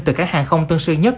từ các hàng không tân sư nhất